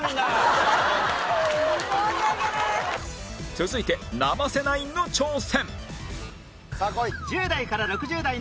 続いて生瀬ナインの挑戦！